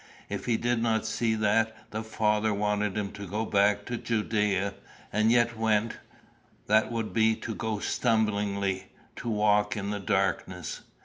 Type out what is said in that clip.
If he did not see that the Father wanted him to go back to Judæa, and yet went, that would be to go stumblingly, to walk in the darkness.